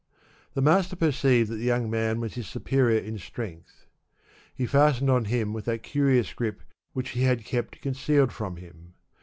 The master perceived that the young man was his superior in strength. He fastened on hrm with that curious grip which he had kept concealed from him.